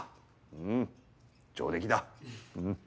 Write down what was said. うん上出来だうん。